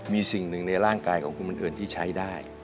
มีสิ่งหนึ่งในร่างกายของคุณบังเอิญที่ใช้ได้